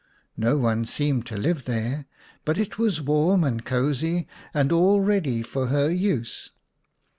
No one seemed to live there, but it was warm and cosy, and all ready for her use.